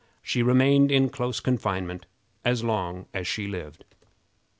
She remained in close confinement as long as she lived.